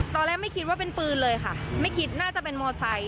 ตอนแรกไม่คิดว่าเป็นปืนเลยค่ะไม่คิดน่าจะเป็นมอไซค